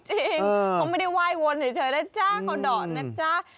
เขาไม่ได้ว่ายวนเฉยนะจ๊ะ